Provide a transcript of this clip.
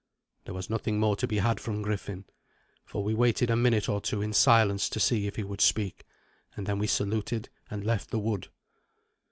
There was nothing more to be had from Griffin, for we waited a minute or two in silence to see if he would speak, and then we saluted and left the wood.